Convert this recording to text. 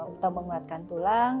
untuk menguatkan tulang